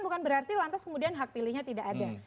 bukan berarti lantas kemudian hak pilihnya tidak ada